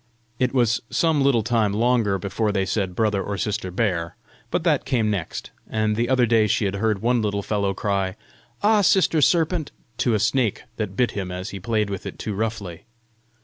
It was some little time longer before they said Brother or Sister Bear, but that came next, and the other day she had heard one little fellow cry, "Ah, Sister Serpent!" to a snake that bit him as he played with it too roughly.